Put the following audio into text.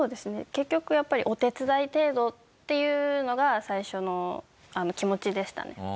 結局やっぱりお手伝い程度っていうのが最初の気持ちでしたね。